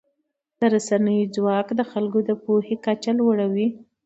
د رسنیو ځواک د خلکو د پوهې کچه لوړوي.